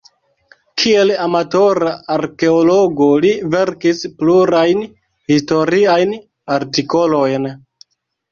Kiel amatora arkeologo li verkis plurajn historiajn artikolojn.